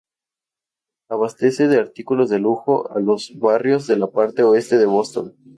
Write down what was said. Abastece de artículos de lujo a los barrios de la parte oeste de Boston.